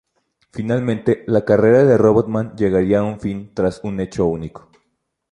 Finalmente, la carrera de Robotman llegaría a su fin tras un hecho único.